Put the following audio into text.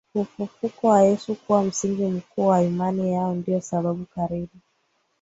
ufufuko wa Yesu kuwa msingi mkuu wa imani yao ndiyo sababu karibu